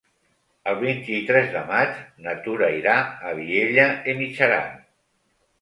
El vint-i-tres de maig na Tura irà a Vielha e Mijaran.